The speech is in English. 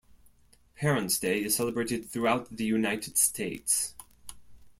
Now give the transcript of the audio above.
Parents' Day is celebrated throughout the United States.